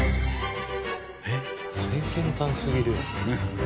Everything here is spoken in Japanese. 最先端すぎるやろ。